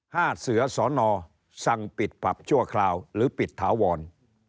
ห้าเสือสอนอสั่งปิดปรับชั่วคราวหรือปิดถาวร